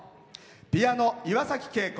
ピアノ、岩崎恵子。